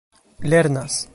lernas